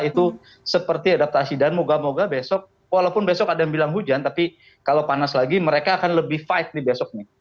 itu seperti adaptasi dan moga moga besok walaupun besok ada yang bilang hujan tapi kalau panas lagi mereka akan lebih fight di besok nih